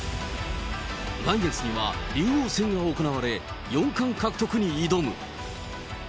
来月には竜王戦も行われ、四冠獲得に挑む。